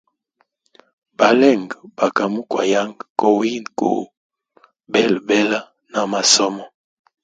Balenge baka mukwayanga kuwiku mwisinda belabela ma masomo.